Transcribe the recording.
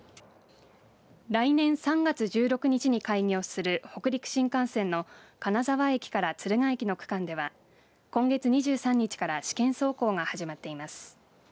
来年３月１６日に開業する北陸新幹線の金沢駅から敦賀駅の区間では今月２３日から試験走行が始まっています。